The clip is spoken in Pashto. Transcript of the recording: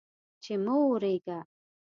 چې مه اوریږه